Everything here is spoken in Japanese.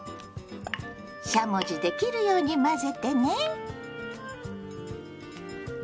しゃもじで切るように混ぜてね。